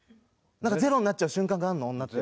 なんかゼロになっちゃう瞬間があるの女って。